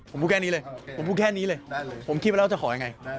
ผมพูดแค่นี้เลยผมพูดแค่นี้เลยผมคิดว่าเราจะขอยังไง